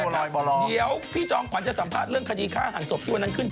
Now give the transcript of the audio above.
เดี๋ยวพี่จอมขวัญจะสัมภาษณ์เรื่องคดีฆ่าหันศพที่วันนั้นขึ้น